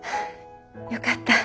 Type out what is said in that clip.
よかった。